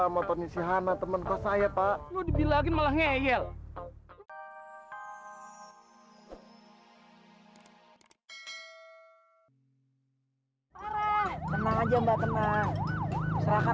motornya si hana temenku saya pak lo dibilang malah ngegel tenang aja mbak tenang serahkan